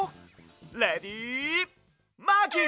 レディマーキー！